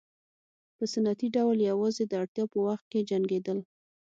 په سنتي ډول یوازې د اړتیا په وخت کې جنګېدل.